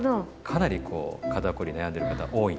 かなりこう肩こりに悩んでる方多いんですよね。